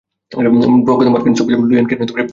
প্রখ্যাত মার্কিন স্থপতি লুই আই কান এটির মূল স্থপতি।